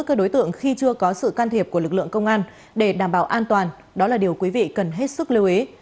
các đối tượng khi chưa có sự can thiệp của lực lượng công an để đảm bảo an toàn đó là điều quý vị cần hết sức lưu ý